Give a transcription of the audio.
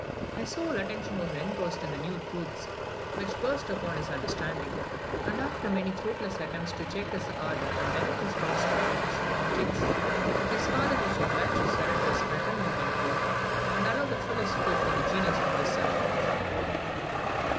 His whole attention was engrossed with the new truths which burst upon his understanding; and after many fruitless attempts to check his ardour and direct his thoughts to professional objects, his father was obliged to surrender his parental control, and allow the fullest scope to the genius of his son.